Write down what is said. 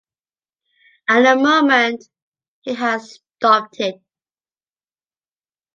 At the moment, he has stopped it!